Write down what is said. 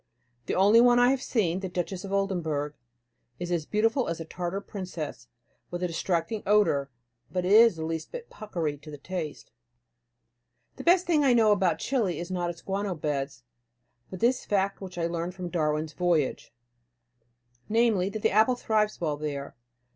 The only one I have seen the Duchess of Oldenburg is as beautiful as a Tartar princess, with a distracting odor, but it is the least bit puckery to the taste. The best thing I know about Chili is not its guano beds, but this fact which I learn from Darwin's "Voyage," namely, that the apple thrives well there.